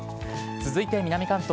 続いて南関東。